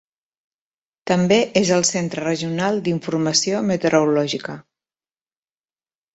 També és el centre regional d'informació meteorològica.